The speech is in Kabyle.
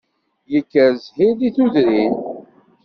Yekker zzhir di tudrin